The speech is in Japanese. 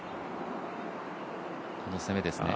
この攻めですね。